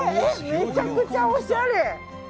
めちゃくちゃおしゃれ。